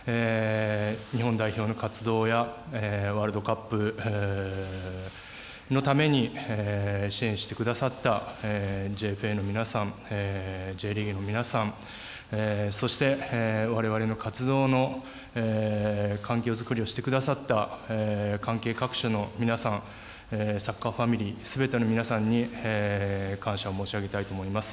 日本代表の活動やワールドカップのために支援してくださったＪＦＡの皆さん、ＪＦＡの皆さん、Ｊリーグの皆さん、そしてわれわれの活動の環境づくりをしてくださった関係各所の皆さん、サッカーファミリー、すべての皆さんに感謝を申し上げたいと思います。